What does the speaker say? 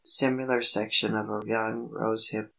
Similar section of a young Rose hip.